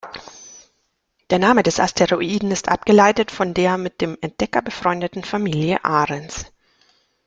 Der Name des Asteroiden ist abgeleitet von der mit dem Entdecker befreundeten Familie "Ahrens".